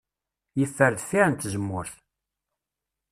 Yeffer deffir n tzemmurt.